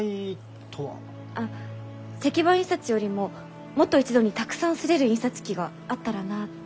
あ石版印刷よりももっと一度にたくさん刷れる印刷機があったらなって。